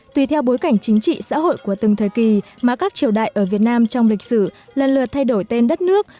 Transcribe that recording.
tùy theo bối cảnh chính trị xã hội của từng thời kỳ mà các triều đại ở việt nam trong lịch sử lần lượt thay đổi tên đất nước